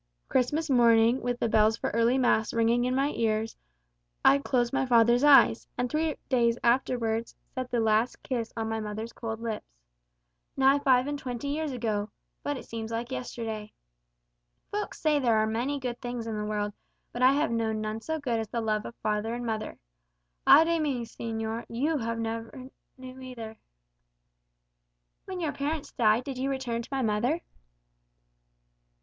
Christmas morning, with the bells for early mass ringing in my ears, I closed my father's eyes; and three days afterwards, set the last kiss on my mother's cold lips. Nigh upon five and twenty years ago, but it seems like yesterday. Folks say there are many good things in the world, but I have known none so good as the love of father and mother. Ay de mi, señor, you never knew either." "When your parents died, did you return to my mother?"